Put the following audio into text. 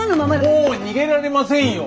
もう逃げられませんよ！